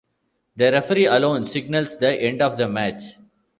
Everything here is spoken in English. The referee alone signals the end of the match.